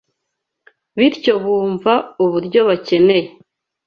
bityo bumva uburyo bakeneye